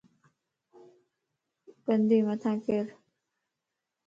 گندي مٿان ڪر